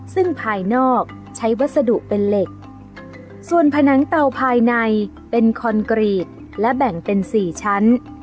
ซึ่งภายนอกใช้วัสดุเป็นเหล็กส่วนผนังเตาภายในเป็นคอนกรีตและแบ่งเป็นสี่ชั้น